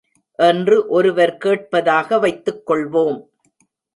என்று ஒருவர் கேட்பதாக வைத்துக் கொள்வோம்.